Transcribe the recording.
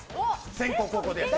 先攻、後攻で。